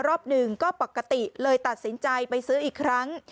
รอบหนึ่งก็ปกติเลยตัดสินใจไปซื้ออีกครั้ง